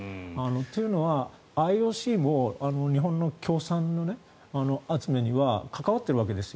というのは、ＩＯＣも日本の協賛集めには関わっているわけです。